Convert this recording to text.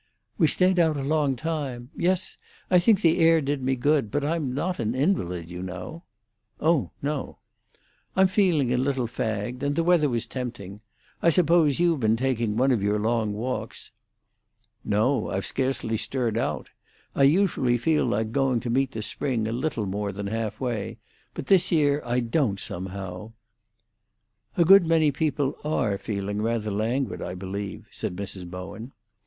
"We stayed out a long time. Yes, I think the air did me good; but I'm not an invalid, you know." "Oh no." "I'm feeling a little fagged. And the weather was tempting. I suppose you've been taking one of your long walks." "No, I've scarcely stirred out. I usually feel like going to meet the spring a little more than half way; but this year I don't, somehow." "A good many people are feeling rather languid, I believe," said Mrs. Bowen.